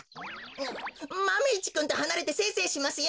マメ１くんとはなれてせいせいしますよ！